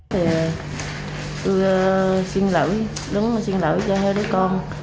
tôi xin lỗi đứng xin lỗi cho hai đứa con